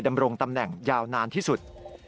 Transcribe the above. ดำรงตำแหน่งยาวนานที่สุด